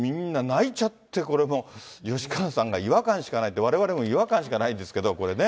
そしてもうみんな泣いちゃって、これもう、吉川さんが違和感しかないって、われわれも違和感しかないんですけど、これね。